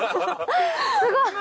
すごい！